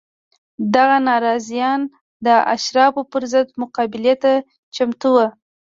دغه ناراضیان د اشرافو پر ضد مقابلې ته چمتو وو